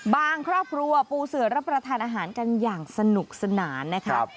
ครอบครัวปูเสือรับประทานอาหารกันอย่างสนุกสนานนะครับ